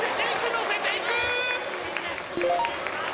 乗せていく！